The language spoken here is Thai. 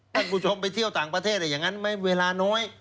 ท่านผู้ชมไปเที่ยวต่างประเทศอย่างนั้นไหมเวลาน้อย